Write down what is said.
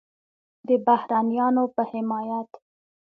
د بهرنیانو په حمایت